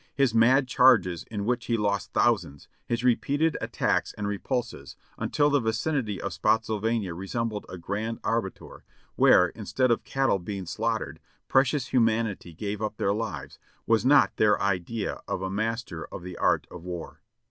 His mad charges in which he lost thousands, his repeated attacks and repulses, until the vicinity of Spottsylvania resembled a great abattoir, where, instead of cattle being slaughtered, precious humanity gave up their lives, was not their idea of a master of the art of war.